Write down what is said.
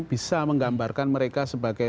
bisa menggambarkan mereka sebagai